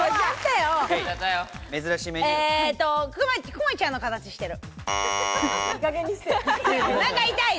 くまちゃんの形してる。